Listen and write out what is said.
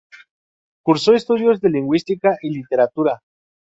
Cursó estudios de lingüística y literatura.